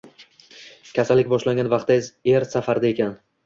Kasallik boshlangan vaqtda er safarda ekan.